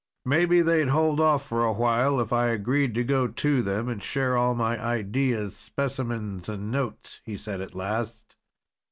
"Maybe they'd hold off for a while if I agreed to go to them and share all my ideas, specimens and notes," he said at last.